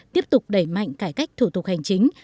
tiếp tục đẩy mạnh cải cách thủ tục hành chính